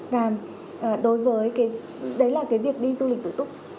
đấy là việc đi du lịch tự túc